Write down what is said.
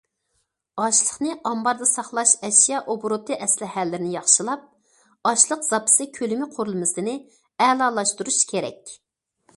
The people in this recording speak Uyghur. ئاشلىقنى ئامباردا ساقلاش ئەشيا ئوبوروتى ئەسلىھەلىرىنى ياخشىلاپ، ئاشلىق زاپىسى كۆلىمى قۇرۇلمىسىنى ئەلالاشتۇرۇش كېرەك.